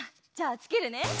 じゃあつけるね！